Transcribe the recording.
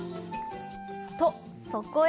と、そこへ！